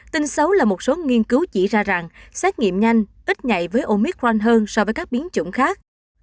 tin xấu là một số nghiên cứu chỉ ra rằng xét nghiệm nhanh ít nhạy với omic frand hơn so với các biến chủng khác